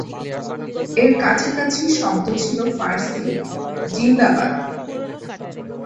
এর কাছাকাছি শব্দ ছিল ফার্সি "জিন্দাবাদ"।